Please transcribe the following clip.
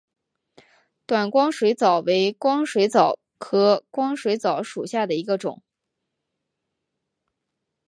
短光水蚤为光水蚤科光水蚤属下的一个种。